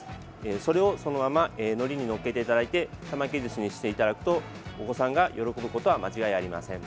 それを、そのままのりに載っけていただいて手巻きずしにしていただくとお子さんが喜ぶことは間違いありません。